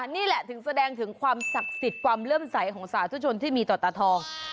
นี่แหละถึงแสดงถึงความศักดิ์สิทธิ์ความเลื่อมใสของสาธุชนที่มีต่อตาทอง